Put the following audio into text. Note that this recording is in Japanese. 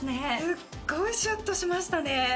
すっごいシュッとしましたね